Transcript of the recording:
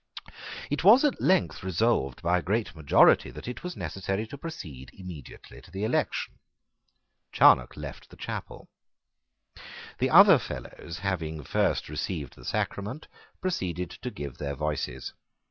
It was at length resolved by a great majority that it was necessary to proceed immediately to the election. Charnock left the chapel. The other Fellows, having first received the sacrament, proceeded to give their voices.